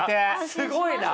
すごいな。